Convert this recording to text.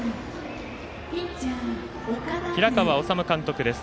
平川敦監督です。